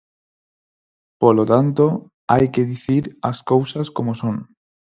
Polo tanto, hai que dicir as cousas como son.